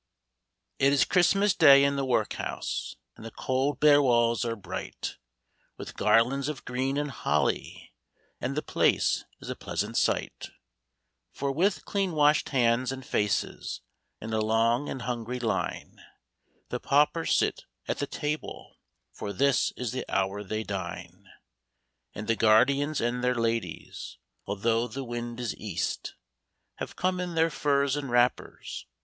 ' is Christmas Day in the Workhouse, And the cold bare walls are bright With garlands of green and holly, And the place is a pleasant sight ; For with clean washed hands and faces, In a long and hungry line The paupers sit at the tables,. For this is the hour they dine. And the guardians and their ladies. Although the wind is east. Have come in their furs and v\rapper5.